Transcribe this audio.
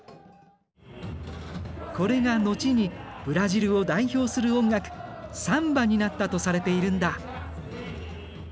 これが後にブラジルを代表する音楽サンバになったとされているんだ。